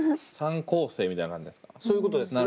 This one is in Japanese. ３構成みたいな感じですか？